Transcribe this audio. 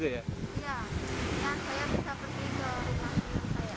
dan saya bisa pergi ke desa desa saya